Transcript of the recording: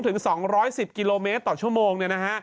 ถึง๒๑๐กิโลเมตรต่อชั่วโมง